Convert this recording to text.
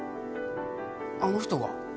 あの人が？